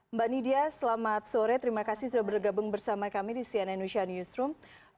mbak nidia selamat sore terima kasih sudah bergabung bersama kami di cnn newsroom